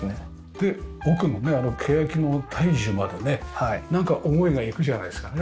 で奧のねケヤキの大樹までねなんか思いがいくじゃないですか。